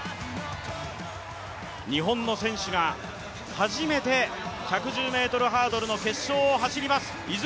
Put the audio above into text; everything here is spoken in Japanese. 日本の選手が初めて１１０ｍハードルの決勝を走ります。